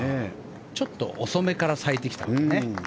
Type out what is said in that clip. ちょっと遅めから咲いてきたんだね。